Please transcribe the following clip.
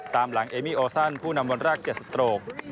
ตามหลังเอมี่โอซันผู้นำวันแรก๗สโตรก